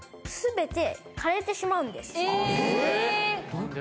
何で？